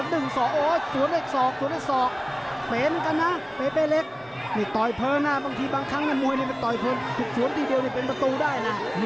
หนึ่งสูญเลยนะถ้าโดนอย่างงั้นก็ไป